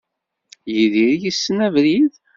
Yidir yessen abrid?